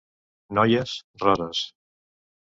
-Noies… roses!…